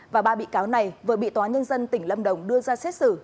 và ba bị cáo này vừa bị tòa nhân dân tỉnh lâm đồng đưa ra xét xử